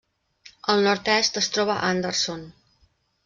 Al nord-est es troba Anderson.